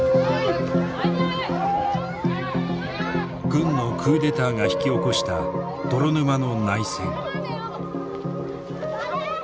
軍のクーデターが引き起こした泥沼の内戦。